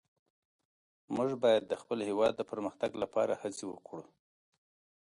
موږ باید د خپل هېواد د پرمختګ لپاره هڅې وکړو.